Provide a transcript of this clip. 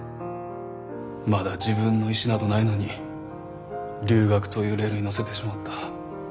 まだ自分の意思などないのに留学というレールにのせてしまった。